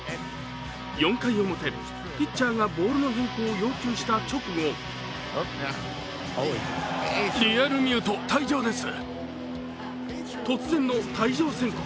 ４回表、ピッチャーがボールの変更を要求した直後突然の退場宣告。